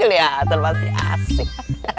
liat loh pasti asih